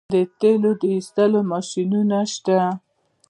د تیلو د ایستلو ماشینونه شته.